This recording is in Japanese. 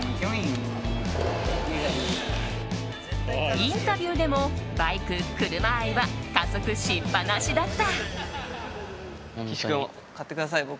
インタビューでもバイク、車愛は加速しっぱなしだった。